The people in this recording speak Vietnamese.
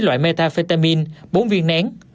loại metafetamin bốn viên nén